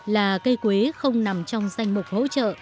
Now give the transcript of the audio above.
là cây quế không nằm trong danh mục hỗ trợ